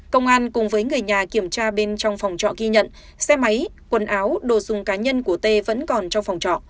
công an cùng với người nhà kiểm tra bên trong phòng trọ ghi nhận xe máy quần áo đồ dùng cá nhân của t vẫn còn trong phòng trọ